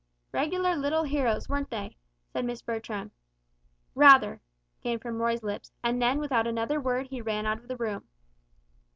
"Regular little heroes, weren't they?" said Miss Bertram. "Rather," came from Roy's lips, and then without another word he ran out of the room.